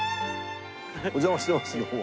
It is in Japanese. お邪魔してますどうも。